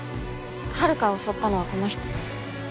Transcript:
遥を襲ったのはこの人。